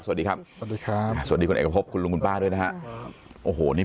สวัสดีครับสวัสดีคนเอกพบคุณลุงคุณป้าด้วยนะฮะโอ้โหนี้